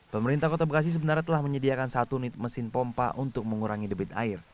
pemerintah kota bekasi sebenarnya telah menyediakan satu unit mesin pompa untuk mengurangi debit air